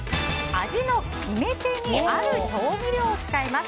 味の決め手にある調味料を使います。